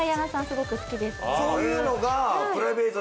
すごく好きですね。